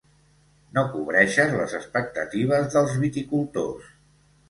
No cobreixes les expectatives dels viticultors.